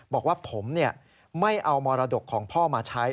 บอกว่าผมไม่เอามรดกของพ่อมาใช้